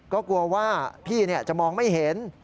ก็กลัวว่าพี่จะมองไม่เห็น